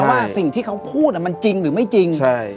ว่าสิ่งที่เขาพูดมันจริงหรือไม่จริง